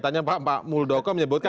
tanya pak muldoko menyebutkan